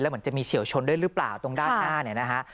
เหมือนจะมีเฉียวชนด้วยหรือเปล่าตรงด้านหน้าเนี่ยนะฮะ